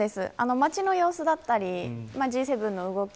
街の様子だったりＧ７の動き